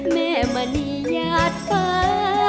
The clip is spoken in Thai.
แม่มะนี่หยาดฟ้า